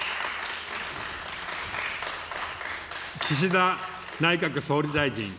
岸田内閣総理大臣。